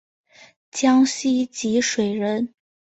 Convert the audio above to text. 江西吉水人。